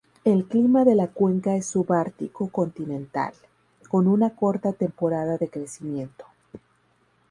El clima de la cuenca es subártico continental, con una corta temporada de crecimiento.